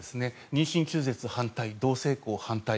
妊娠中絶反対同性婚反対。